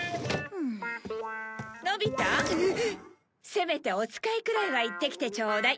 せめてお使いくらいは行ってきてちょうだい。